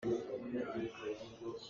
A hnak kar ah a ka tenh.